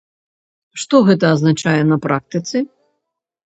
Што гэта азначае на практыцы?